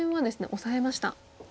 オサえました。